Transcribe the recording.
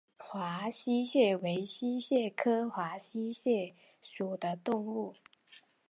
绛县华溪蟹为溪蟹科华溪蟹属的动物。